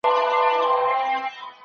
د غوړیو کم استعمال د زړه لپاره ښه دی.